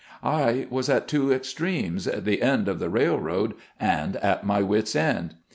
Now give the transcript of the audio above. I was at two extremes, the end of the rail road and at my wits' end.